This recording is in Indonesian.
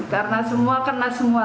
karena semua kena semua